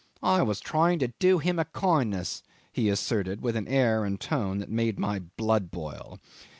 "I was trying to do him a kindness," he asserted, with an air and tone that made my blood boil.